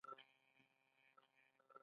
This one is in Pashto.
• ساعت د ورځې تقسیم ته لارښوونه کوي.